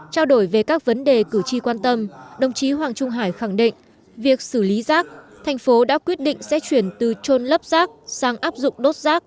trao đổi về các vấn đề cử tri quan tâm đồng chí hoàng trung hải khẳng định việc xử lý rác thành phố đã quyết định sẽ chuyển từ trôn lấp rác sang áp dụng đốt rác